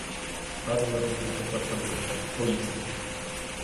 Так зароджується перша думка — поїсти.